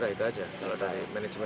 ya itu aja kalau dari manajemen